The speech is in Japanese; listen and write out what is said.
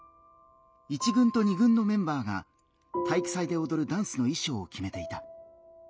１軍と２軍のメンバーが体育祭でおどるダンスの衣装を決めていた。